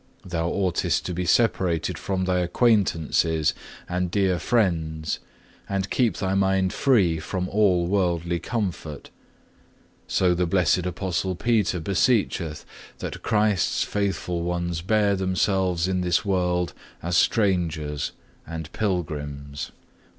Thou oughtest to be separated from thy acquaintances and dear friends, and keep thy mind free from all worldly comfort. So the blessed Apostle Peter beseecheth, that Christ's faithful ones bear themselves in this world as strangers and pilgrims.